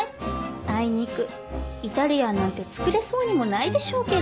あいにくイタリアンなんて作れそうにもないでしょうけど。